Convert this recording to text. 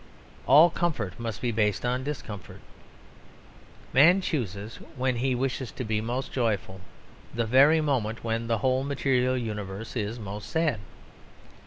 All comfort must be based on discomfort. Man chooses when he wishes to be most joyful the very moment when the whole material universe is most sad.